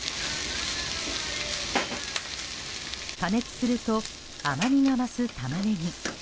加熱すると甘みが増すタマネギ。